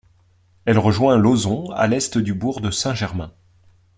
Elle rejoint l'Auzon à l'est du bourg de Saint-Germain.